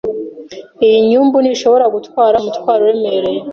Iyi nyumbu ntishobora gutwara umutwaro uremereye.